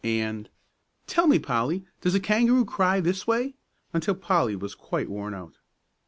and "Tell me, Polly, does a kangaroo cry this way?" until Polly was quite worn out.